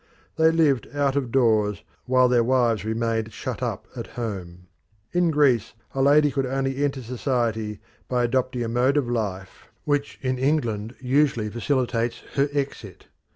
They lived out of doors while their wives remained shut up at home. In Greece a lady could only enter society by adopting a mode of life which in England usually facilitates her exit.